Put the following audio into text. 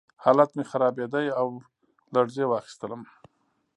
حالت مې خرابېده او لړزې واخیستم